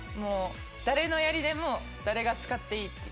誰のやりでも誰が使ってもいい。